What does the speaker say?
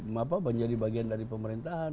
menjadi bagian dari pemerintahan